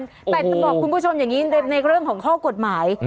แต่จะบอกคุณผู้ชมอย่างนี้ในเรื่องของข้อกฎหมาย